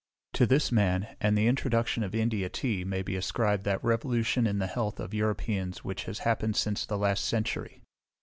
To this man, and the introduction of India tea, may be ascribed that revolution in the health of Europeans which has happened since the last century.